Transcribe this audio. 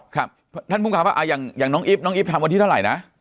ครับท่านภูมิครับว่าอย่างน้องอีฟน้องอีฟทำวันที่เท่าไหร่นะ